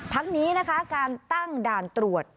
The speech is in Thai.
ทั้งนี้นะคะการตั้งด่านตรวจ